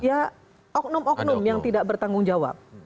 ya oknum oknum yang tidak bertanggung jawab